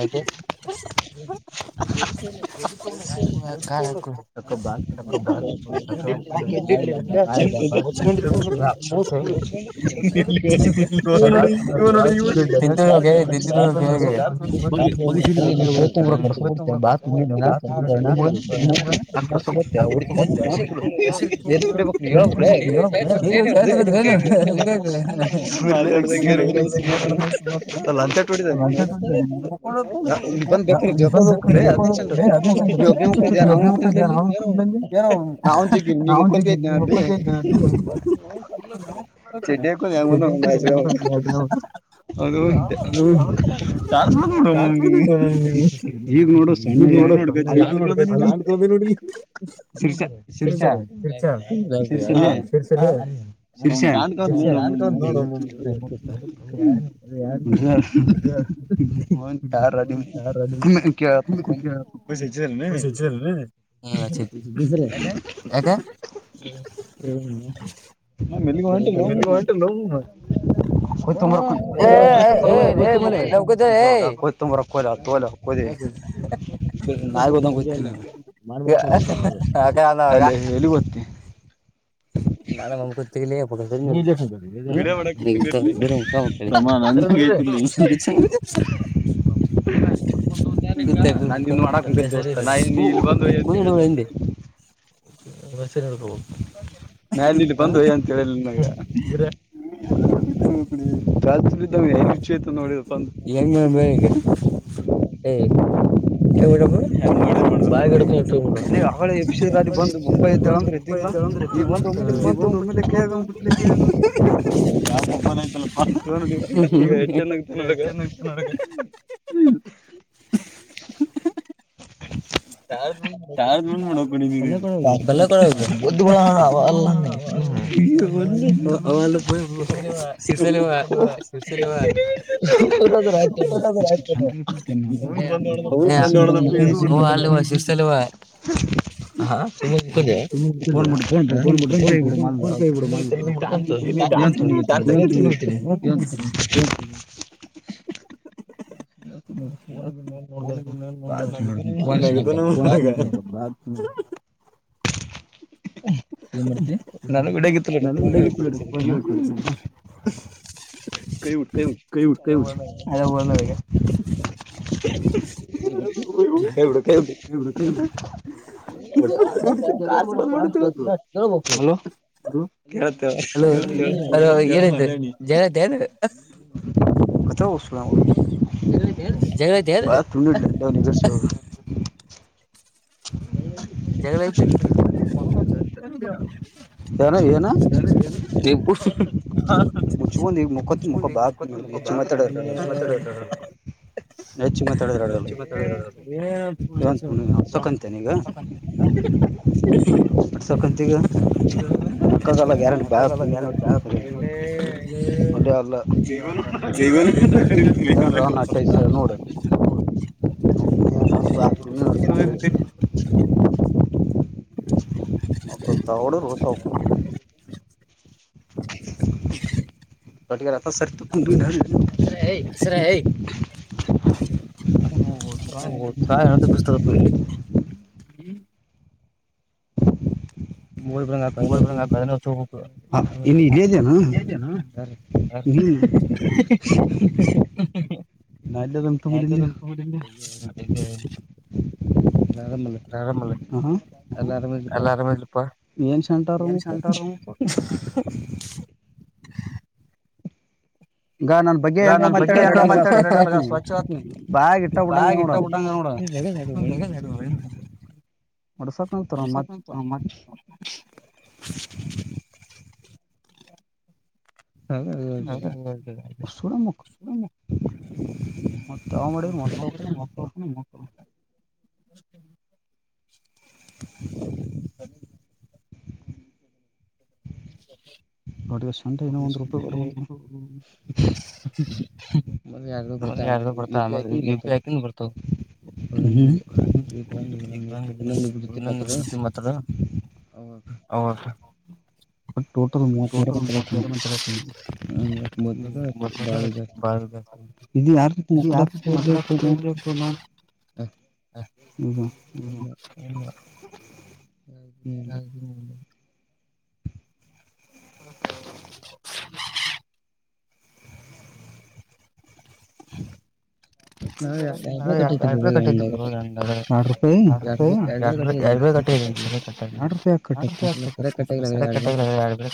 ಆಯ್ತು [unintelligible] [unintelligible] ಹ [unintelligible] [unintelligible] ಕಸ [unintelligible] ಆಕ್ರಷ್ಟ ಕು [unintelligible] ನೀನು ವಿಜಯತ್ಗದ್ರಿ ನು ಹಂಗ ಏನ [unintelligible] [unintelligible] [unintelligible] [unintelligible] ಹೌದು ಅದು [unintelligible] ಚಾ ನೋ ನಾಲ್ಕ ನೋಡಿ ಸರಿ ಶೀರ್ಚಾರ್ರ್ [unintelligible] [unintelligible] [unintelligible] ಯಾಕ ಹ್ಮ್ [unintelligible] [unintelligible] ನೌಕದುರ ಹೇ ಸಲ್ಲ ಮ ಹಕ ಹೋಗ ನಾನೆ ನಮ್ಕೊತ್ತ [unintelligible] [unintelligible] [unintelligible] ಇತ್ತ [unintelligible] [unintelligible] ಸರಿ [unintelligible] ರಾತ್ರಿ ಇದ್ದ ಹೇಗೆ ಇಚ್ ಆತ ನೋಡಿ ಬಂದುಪ ಹೆಂಗ ಬೇಗೆ ಏ ಎ [unintelligible] ಅ ಬ ಇದ್ದಂದ್ರೆ ಇದ್ದಿಲ್ಲಾ ಈ ಒ ಮ ಯಾಬನ್ ಆಯ್ತಲ್ಲಪ್ಪಾ ಹೆ ಚನ್ನ ನೋಡಕ ಇ ಬನ್ನ ಕೂಡ ಗೂ ಹ ಅಲ್ಲೇ [unintelligible] ದ ಆಯ್ತ ಹಸ ನಕ ಸ್ಥಲವ ು ಫೋನ್ ಬಿ ಸ್ ನ ಮು ನಗ ನ ನ ನಡಗಿತ್ತು ಬಿೇ ಕೈ ಉ ಕೈ ಉ ಅದ ಬ ನ ಹ ಆ ಬೇಕುಲೋ ಏನತೆ ಜನನು ಕಥ ಬ ಬ ತು ಹ್ಮ ಜಗಯತ ಅ ಕ ಬಾಗ ಮ ಹೆಚ್ಚು ಮೆತಾಡಿದಡಸಕಂತನ ಈಗ [inaudible] ವಟ್ಸಪ್ಂತಗ ಹಾಕಲ್ಲ ಗ್ಯಾರಂಟಿ ಬಾ ನೋ ಅಲ್ಲನ್ಟ ನೋಡು [inaudible] ಹ ಮಲ್ ಹೊಡಿೌಕ ರತ ಸರಿು [unintelligible] ದು ಹಲ್ಲಿ ಗೋಬಂಗದ ಹ ನಲ್ಲ ತುಂಪರಿ ಆರಾಮಲ್ಲ್ಮ ಎಲ್ಲ ಆರಾಮ ಇಲ್ಲಪ್ಪ ನು ಸಂತ ಗಾನ ಬಗ್ಗೆ ಏನ ಮ ಸ್ವಚ್ಛವತ್ನ ಬಾ ಇಟ್ಟಬಟ್ಟಂಗ ನೋಡ ಸ ತರ ಮಾ ಅದದಸೂಡ ಮಕ್ಕ ಮ ಜ ಮಾಡ ಮಸ ಮಸ ಹೌ ಓಕೆ ಹ್ಮ [unintelligible] ನಡಿ ಸಂಡೆ ಇನ್ನು ಒಂದು ರೂಪಯಿ ಬರಲಾ ಮ ಯ ಬತ ಇ ಆಯಕ ಬತ [unintelligible] ಂದು ಬಿಡ್ತ ಮಾತ್ರ [inaudible] ಹೌ ಅವ ಟೋಟ ಮ [inaudible] ನೀವು ಯಾರ ಜೋತೆ ಮಾತಾಡಾಕತ್ತೀರಾ ಸುಮಾ ಹ್ಮ್ ಹಲ್ಲ ಹಾಗ [unintelligible] ನಾ ಎಡು ಕಟ್ಟತಿಡ್ ಎರಡು ರೂಪಾಯಿಾಯ ಎಳರ ಗಟ್ಟಿ ಸಿಕತಿ ಎರಡ್ ರೂಪಾಯಿ ಕಟ್ಟೈ ಸರಿ ಕಟ್ಟ ಆಗೇತಿ